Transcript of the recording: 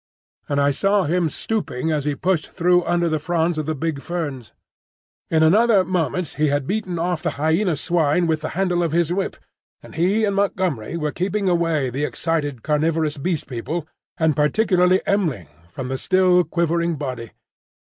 and I saw him stooping as he pushed through under the fronds of the big ferns. In another moment he had beaten off the Hyena swine with the handle of his whip, and he and Montgomery were keeping away the excited carnivorous Beast People, and particularly M'ling, from the still quivering body.